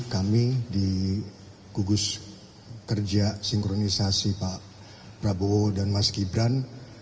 kami di gugus kerja sinkronisasi pak prabowo dan mas gibran